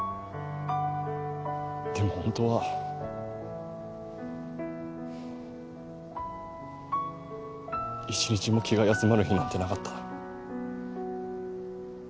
でも本当は一日も気が休まる日なんてなかった。